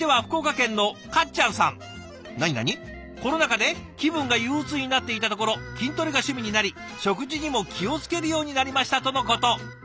なになに「コロナ禍で気分が憂鬱になっていたところ筋トレが趣味になり食事にも気を付けるようになりました」とのこと。